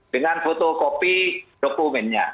dengan fotokopi dokumennya